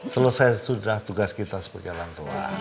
selesai sudah tugas kita sebagai lantuan